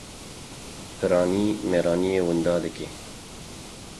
Piranî mêranîyê winda dike